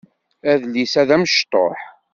Adlis-a d amecṭuḥ.